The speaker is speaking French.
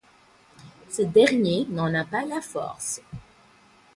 Ce dernier n'en a pas la force.